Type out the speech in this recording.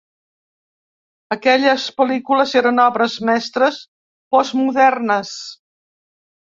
Aquelles pel·lícules eren obres mestres postmodernes.